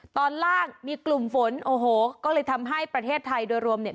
ตอนล่างมีกลุ่มฝนโอ้โหก็เลยทำให้ประเทศไทยโดยรวมเนี่ย